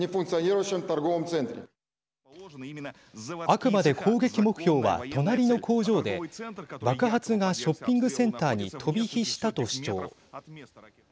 あくまで攻撃目標は隣の工場で爆発がショッピングセンターに飛び火したと主張。